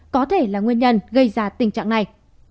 có thể là nguyên nhân gây ra tình trạng này